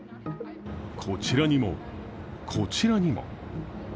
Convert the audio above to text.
こちらにも、こちらにも。